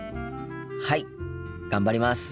はい頑張ります。